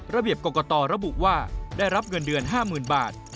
ระเบียบกรกตระบุว่าได้รับเงินเดือน๕๐๐๐บาท